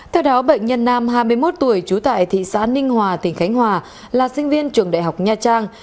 theo đó bệnh nhân nam hai mươi một tuổi trú tại thị xã ninh hòa tỉnh khánh hòa là sinh viên trường đại học nha trang